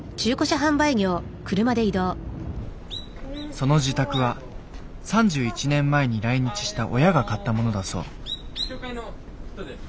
その自宅は３１年前に来日した親が買ったものだそう。